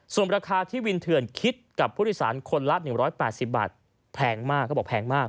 ส่วนราคาที่วินเถื่อนคิดกับผู้โดยสารคนละ๑๘๐บาทแพงมากเขาบอกแพงมาก